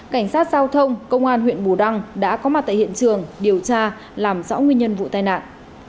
cảnh sát giao thông công an huyện bù đăng đã có mặt tại hiện trường điều tra làm rõ nguyên nhân vụ tai nạn